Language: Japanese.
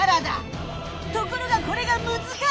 ところがこれがむずかしい！